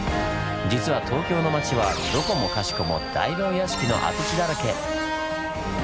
実は東京の町はどこもかしこも大名屋敷の跡地だらけ！